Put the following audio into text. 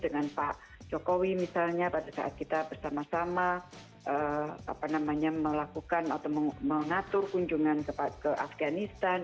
dengan pak jokowi misalnya pada saat kita bersama sama melakukan atau mengatur kunjungan ke afganistan